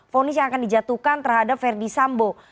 fonis yang akan dijatuhkan terhadap verdi sambo